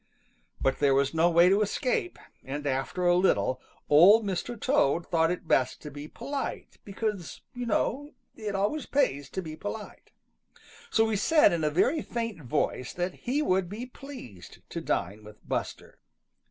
But there was no way to escape, and after a little Old Mr. Toad thought it best to be polite, because, you know, it always pays to be polite. So he said in a very faint voice that he would be pleased to dine with Buster.